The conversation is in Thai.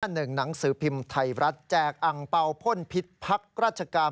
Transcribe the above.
หนึ่งหนังสือพิมพ์ไทยรัฐแจกอังเปล่าพ่นพิษพักราชการ